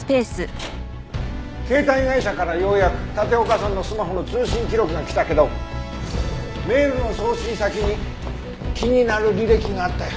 携帯会社からようやく立岡さんのスマホの通信記録が来たけどメールの送信先に気になる履歴があったよ。